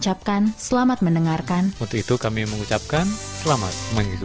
allah baik oh sungguh baik di setiap waktu